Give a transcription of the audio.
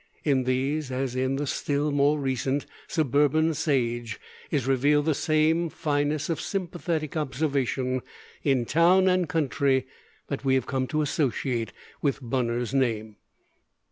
In these, as in the still more recent 'Suburban Sage,' is revealed the same fineness of sympathetic observation in town and country that we have come to associate with Bunner's name.